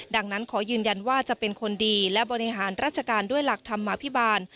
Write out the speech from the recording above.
ดังนั้นขอยืนยันว่าจะเป็นคนดีและบริหารราชการด้วยหลักธรรมาภิบาล